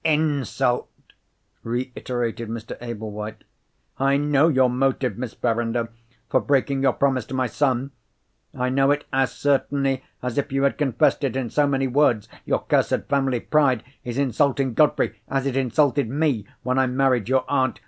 "Insult!" reiterated Mr. Ablewhite. "I know your motive, Miss Verinder, for breaking your promise to my son! I know it as certainly as if you had confessed it in so many words. Your cursed family pride is insulting Godfrey, as it insulted me when I married your aunt.